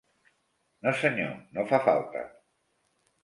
No, senyor, no fa falta.